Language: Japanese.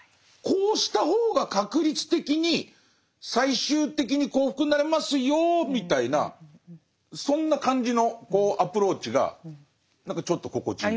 こうした方が確率的に最終的に幸福になれますよみたいなそんな感じのアプローチが何かちょっと心地いいです。